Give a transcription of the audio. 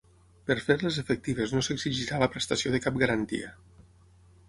Per fer-les efectives no s'exigirà la prestació de cap garantia.